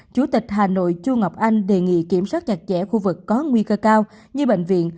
chủ tịch hà nội chu ngọc anh đề nghị kiểm soát chặt chẽ khu vực có nguy cơ cao như bệnh viện